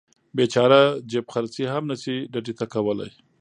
بیچاره جیب خرڅي هم نشي ډډې ته کولی.